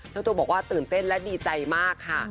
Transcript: เจ้าตัวบอกว่าตื่นเต้นและดีใจมากค่ะ